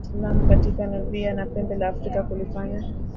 Kuenea kwa Uislamu katika Nubia na Pembe la Afrika kulifanya